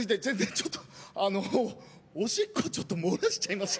ちょっとあのオシッコをちょっと漏らしちゃいました